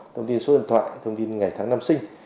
thông tin số điện thoại thông tin ngày tháng năm sinh